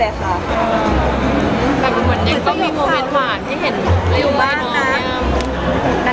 อ๋อแต่มันยังมีโมเม้นต์หวานที่เห็นอยู่บ้างนะ